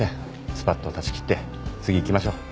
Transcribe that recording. すぱっと断ち切って次いきましょう。